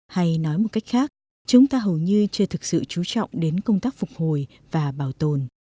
hay nói một cách khác chúng ta hầu như chưa thực sự chú trọng đến công tác phục hồi và bảo tồn